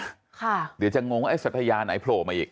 เดี๋ยวจะงงว่าไอ้สัทยาไหนโผล่มาอีก